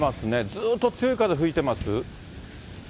ずっと強い風吹いてます？